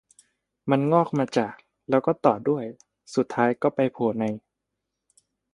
มันงอกมาจาก แล้วก็ต่อด้วย สุดท้ายก็ไปโผล่ใน